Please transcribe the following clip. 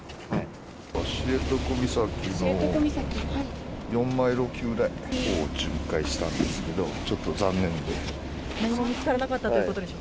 知床岬の４マイル沖ぐらいを巡回したんですけど、ちょっと残念です。